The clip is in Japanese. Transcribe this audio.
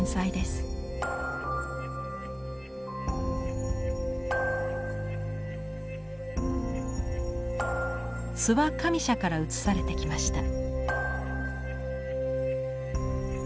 諏訪上社から移されてきました。